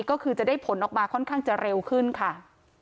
ก็คือจะได้ผลออกมาค่อนข้างจะเร็วขึ้นค่ะ